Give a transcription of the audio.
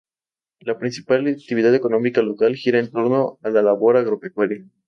La principal actividad económica local gira en torno a la labor agropecuaria.